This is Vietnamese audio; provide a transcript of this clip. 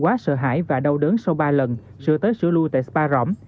quá sợ hãi và đau đớn sau ba lần sửa tới sửa lưu tại spa rỗng